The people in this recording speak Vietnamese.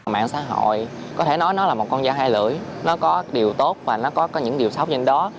mạng xã hội có thể nói là một con da hai lưỡi nó có điều tốt và nó có những điều xấu trên đó